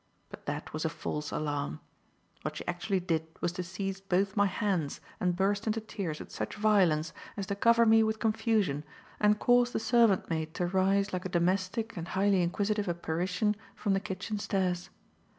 But that was a false alarm. What she actually did was to seize both my hands and burst into tears with such violence as to cover me with confusion and cause the servant maid to rise like a domestic, and highly inquisitive, apparition from the kitchen stairs.